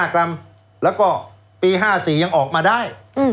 กรัมแล้วก็ปี๕๔ยังออกมาได้